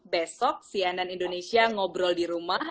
besok cnn indonesia ngobrol di rumah